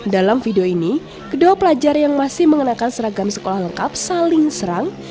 dalam video ini kedua pelajar yang masih mengenakan seragam sekolah lengkap saling serang